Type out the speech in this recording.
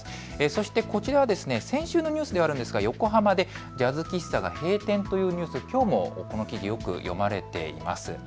そしてこちらは先週のニュースではあるのですが、横浜でジャズ喫茶が閉店というニュース、きょうもこの記事よく読まれています。